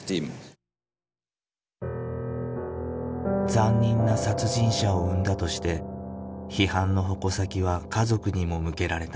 残忍な殺人者を生んだとして批判の矛先は家族にも向けられた。